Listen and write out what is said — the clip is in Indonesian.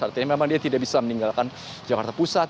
artinya memang dia tidak bisa meninggalkan jakarta pusat